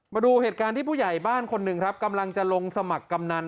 มาดูเหตุการณ์ที่ผู้ใหญ่บ้านคนหนึ่งครับกำลังจะลงสมัครกำนัน